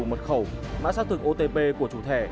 mật khẩu mã xác thực otp của chủ thẻ